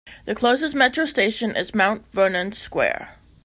The closest Metro station is Mount Vernon Square.